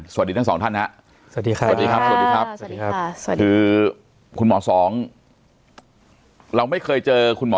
สวัสดีครับทุกผู้ชม